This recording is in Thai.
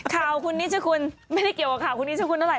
ข่าวคุณนิชคุณไม่ได้เกี่ยวกับข่าวคุณนิชคุณเท่าไ